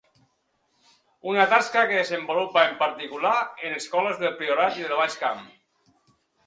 Una tasca que desenvolupa en particular en escoles del Priorat i del Baix Camp.